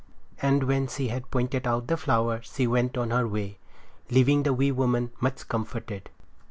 And when she had pointed out the flower she went on her way, leaving the wee woman much comforted.